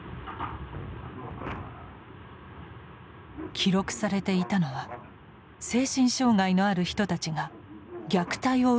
記録されていたのは精神障害のある人たちが虐待を受けている様子でした。